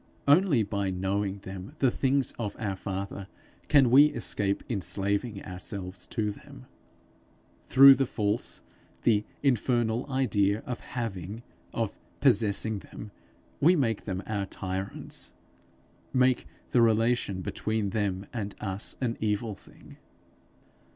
Only by knowing them the things of our Father, can we escape enslaving ourselves to them. Through the false, the infernal idea of having, of possessing them, we make them our tyrants, make the relation between them and us an evil thing.